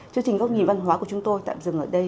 chương trình góc nhìn văn hóa của chúng tôi tạm dừng ở đây